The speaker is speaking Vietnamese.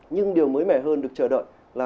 nhưng điều mới mẻ hơn được chờ đợi là